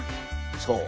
そう。